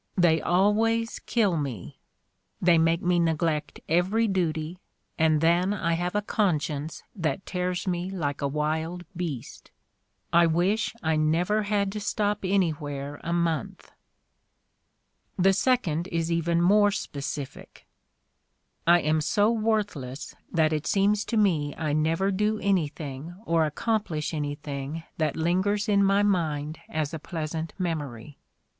They always kill me — they make me neglect every duty and then I have a conscience that tears me like a wild beast. I wish I never had to stop anywhere a month." The second is even more specific: "I am so worthless that it seems to me I never do anything or accomplish anything that lingers in my mind as a pleasant memory.